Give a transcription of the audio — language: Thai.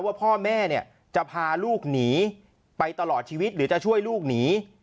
ว่าพ่อแม่เนี่ยจะพาลูกหนีไปตลอดชีวิตหรือจะช่วยลูกหนี